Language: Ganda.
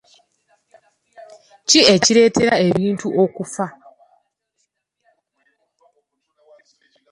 Ki ekireetera ebintu okufa